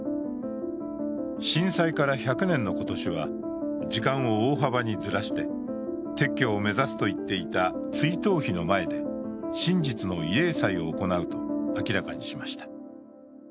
震災から１００年の今年は、時間を大幅にずらして撤去を目指すと言っていた追悼碑の前で真実の慰霊祭を行うと明らかにしました。